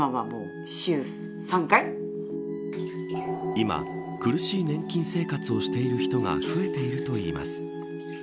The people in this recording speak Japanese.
今、苦しい年金生活をしている人が増えているといいます。